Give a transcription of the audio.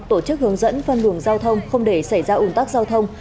tổ chức hướng dẫn phân luồng giao thông không để xảy ra ủn tắc giao thông